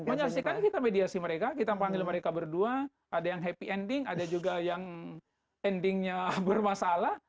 banyak sekali kita mediasi mereka kita panggil mereka berdua ada yang happy ending ada juga yang endingnya bermasalah